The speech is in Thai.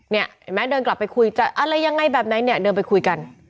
เห็นไหมเดินกลับไปคุยจะอะไรยังไงแบบไหนเนี่ยเดินไปคุยกัน